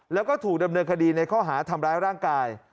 แล้วก็ถูกดำเนินคดีในข้อหาทำร้ายร่างกาย